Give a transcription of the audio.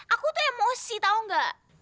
aku tuh emosi tahu enggak